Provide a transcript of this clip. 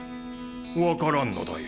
分からんのだよ